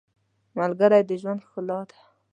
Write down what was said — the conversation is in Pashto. • ملګری د ژوند ښکلا ده.